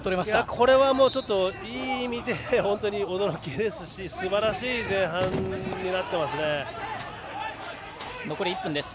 これはいい意味で本当に驚きですしすばらしい前半になっています。